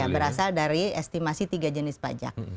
berasal dari estimasi tiga jenis pajak